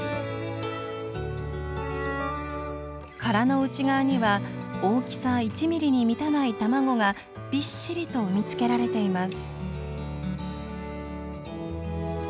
殻の内側には大きさ１ミリに満たない卵がびっしりと産み付けられています。